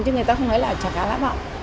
chứ người ta không nói là trà cá lã bọng